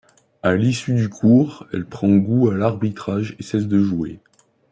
À l’issue du cours, elle prend goût à l’arbitrage et cesse de jouer.